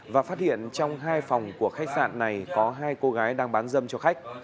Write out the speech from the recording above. và phát hiện trong hai phòng của khách sạn này có hai cô gái đang bán dâm cho khách